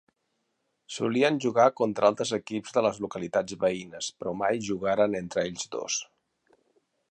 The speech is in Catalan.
Solien jugar contra altres equips de les localitats veïnes però mai jugaren entre ells dos.